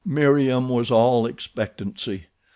Meriem was all expectancy.